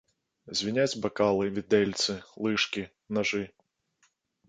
Звіняць бакалы, відэльцы, лыжкі, нажы.